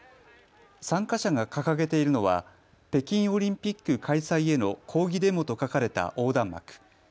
参加者が掲げているのは北京オリンピック開催への抗議デモと書かれた横断幕。